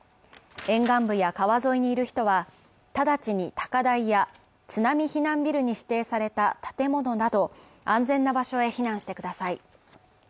沿岸部や川沿いにいる人は直ちに高台や津波避難ビルに指定された建物など安全な場所へ避難してください。